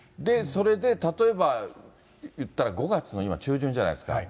それで例えば言ったら、５月の今、中旬じゃないですか。